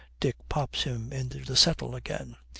Dick pops him into the settle again.